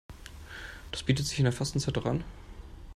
Das bietet sich in der Fastenzeit doch an.